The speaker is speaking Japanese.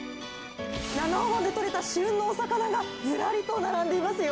七尾湾で取れた旬のお魚が、ずらりと並んでいますよ。